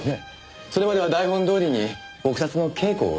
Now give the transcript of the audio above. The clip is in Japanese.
それまでは台本通りに撲殺の稽古を続けていた。